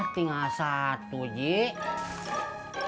tinggal satu jik